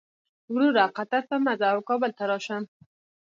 وروره قطر ته مه ځه او کابل ته راشه.